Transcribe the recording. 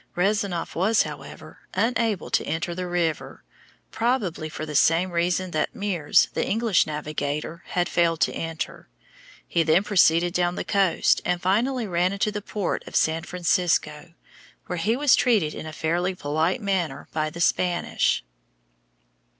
Rezanof was, however, unable to enter the river, probably for the same reason that Meares, the English navigator, had failed to enter. He then proceeded down the coast and finally ran into the port of San Francisco, where he was treated in a fairly polite manner by the Spanish.